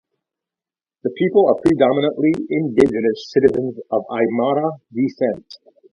The people are predominantly indigenous citizens of Aymara descent.